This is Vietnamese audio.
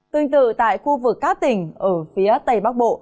tương tự tại khu vực các tỉnh ở phía tây bắc bộ